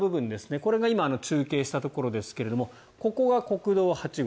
これが、今中継したところですがここが国道８号